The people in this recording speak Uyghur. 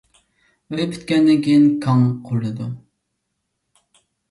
ئۆي پۈتكەندىن كېيىن كاڭ قۇرۇلىدۇ.